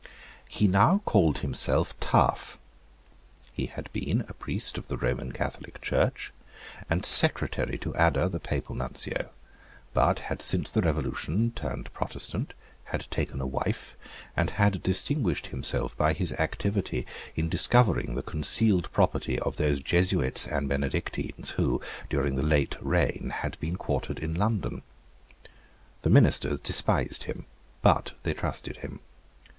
He now called himself Taaffe. He had been a priest of the Roman Catholic Church, and secretary to Adda the Papal Nuncio, but had since the Revolution turned Protestant, had taken a wife, and had distinguished himself by his activity in discovering the concealed property of those Jesuits and Benedictines who, during the late reign, had been quartered in London. The ministers despised him; but they trusted him.